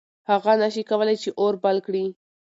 هغه نه شي کولی چې اور بل کړي.